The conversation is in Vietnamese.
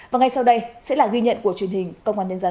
và ngay sau đây sẽ là ghi nhận của truyền hình công an nhân dân